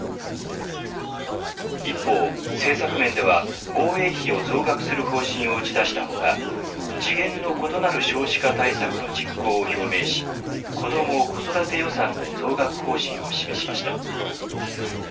一方、政策面では防衛費を増額する方針を打ち出したほか次元の異なる少子化対策の実行を表明し、子ども・子育て予算の増額方針を示しました。